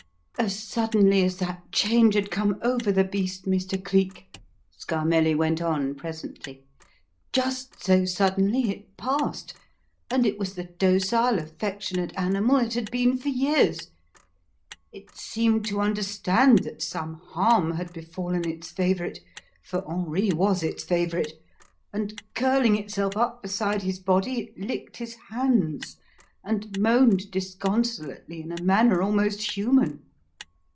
"As suddenly as that change had come over the beast, Mr. Cleek," Scarmelli went on presently, "just so suddenly it passed, and it was the docile, affectionate animal it had been for years. It seemed to understand that some harm had befallen its favourite for Henri was its favourite and, curling itself up beside his body, it licked his hands and moaned disconsolately in a manner almost human.